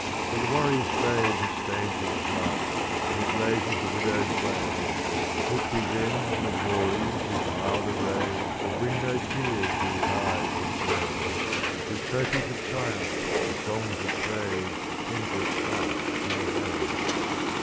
But the warrior's fame has stains of blood, And it raises the widow's wail; Look we then on the glories whose milder rays Will bring no tears to the eyes that gaze; Whose trophies of triumph, whose songs of praise The tenderest heart may hail.